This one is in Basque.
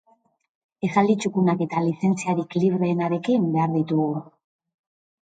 Esaldi txukunak eta lizentziarik libreenarekin behar ditugu.